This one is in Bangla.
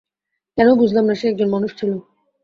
কেন বুঝলাম না সে একজন মানুষ ছিল?